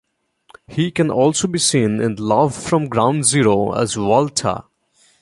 He can also be seen in "Love from Ground Zero" as Walter.